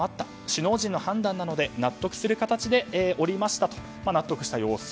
首脳陣の判断なので納得する形で降りましたと納得した様子。